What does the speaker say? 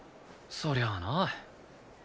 そりゃあな。